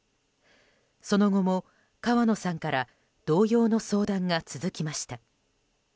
その後も、川野さんから同様の相談が続きました。